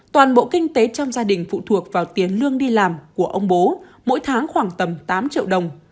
toàn bộ kinh tế trong gia đình phụ thuộc vào tiền lương đi làm của ông bố mỗi tháng khoảng tầm tám triệu đồng